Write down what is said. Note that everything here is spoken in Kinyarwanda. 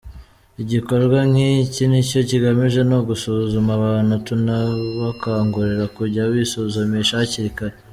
Igikorwa nk’iki icyo kigamije ni ugusuzuma abantu tunabakangurira kujya bisuzumisha hakiri kare.